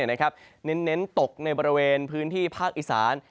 เน้นตกในบริเวณพื้นที่ภาคอีสาน